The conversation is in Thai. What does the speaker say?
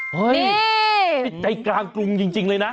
มีใจกลางกลุ่มจริงเลยนะ